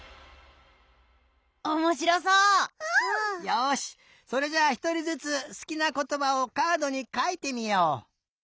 よしそれじゃあひとりずつすきなことばをカードにかいてみよう。